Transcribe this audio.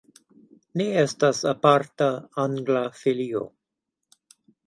Ne estas aparta angla filio.